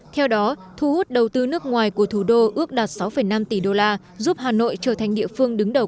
theo đó thu hút đầu tư nước ngoài của thủ đô ước đạt sáu năm tỷ đô la giúp hà nội trở thành địa phương đứng đầu